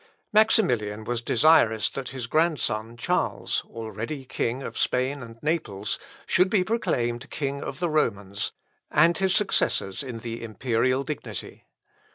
Maximilian was desirous that his grandson Charles, already king of Spain and Naples, should be proclaimed king of the Romans, and his successors in the imperial dignity.